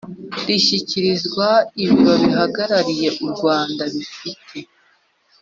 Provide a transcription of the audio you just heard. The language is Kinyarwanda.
rishyikirizwa ibiro bihagarariye u Rwanda bifite